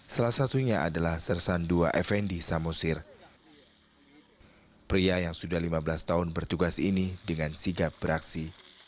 salah satunya adalah sersan ii effendi samosir pria yang sudah lima belas tahun bertugas ini dengan sigap beraksi